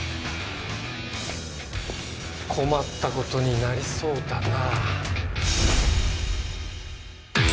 困った事になりそうだなあ。